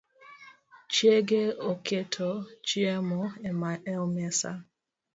Chiege oketo chiemo e mesa